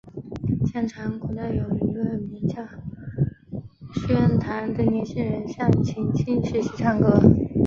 相传古代有一个名叫薛谭的年轻人向秦青学习唱歌。